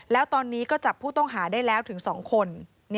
แล้วตอนนี้ก็จับผู้ต้องหาได้แล้วถึง๒คน